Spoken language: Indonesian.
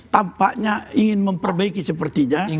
tampaknya ingin memperbaiki sepertinya